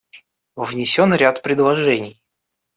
Внесен ряд предложений.